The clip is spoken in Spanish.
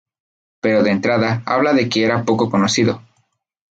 Pero de entrada, habla de que era poco conocido.